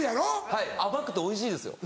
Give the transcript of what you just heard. はい甘くておいしいですよ。